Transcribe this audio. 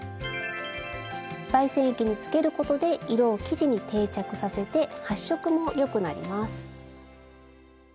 媒染液につけることで色を生地に定着させて発色もよくなります。